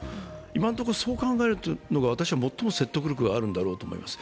今のところそう考えるのが最も説得力があるんだと思います。